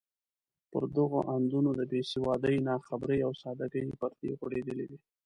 پر دغو اندونو د بې سوادۍ، ناخبرۍ او سادګۍ پردې غوړېدلې وې.